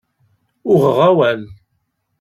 Uɣeɣ awal.